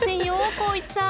光一さん］